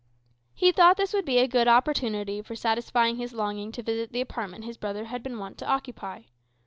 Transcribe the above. He thought this a good opportunity for satisfying his longing to visit the apartment his brother had been wont to occupy.